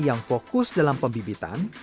yang fokus dalam pembibitan